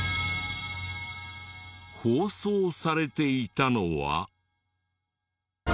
放送されていたのは。